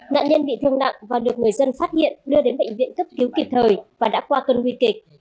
nạn nhân bị thương nặng và được người dân phát hiện đưa đến bệnh viện cấp cứu kịp thời và đã qua cơn nguy kịch